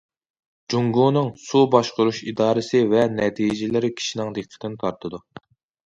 جۇڭگونىڭ سۇ باشقۇرۇش ئىرادىسى ۋە نەتىجىلىرى كىشىنىڭ دىققىتىنى تارتىدۇ.